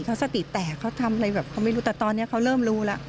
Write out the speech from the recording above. เขาสติแตกเขาทำอะไรแบบเขาไม่รู้แต่ตอนนี้เขาเริ่มรู้แล้ว